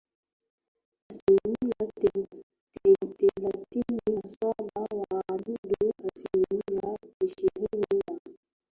Asilimia thelathini na saba Waambundu asilimia ishirini na